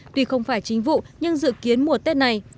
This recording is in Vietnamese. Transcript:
tuy không phải chính vụ nhưng dự kiến mùa tết này